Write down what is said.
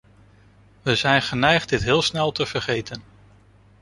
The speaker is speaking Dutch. We zijn geneigd dit heel snel te vergeten.